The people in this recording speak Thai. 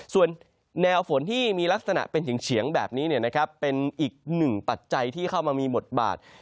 ส่วนแนวฝนที่มีลักษณะเป็นเฉียงแบบนี้เป็นอีกหนึ่งปัจจัยที่เข้ามามีบทบาท